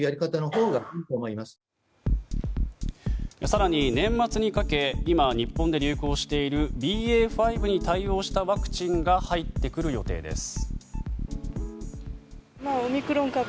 更に年末にかけ今、日本で流行しているＢＡ．５に対応したワクチンが入ってくる予定です。